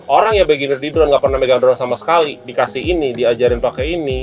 orang ya beginner di drone gak pernah megang drone sama sekali dikasih ini diajarin pakai ini